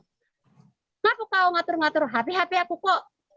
kenapa kau ngatur ngatur hp hp aku kok